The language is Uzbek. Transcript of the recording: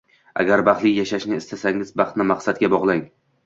Agar baxtli yashashni istasangiz baxtni maqsadga bog’lang.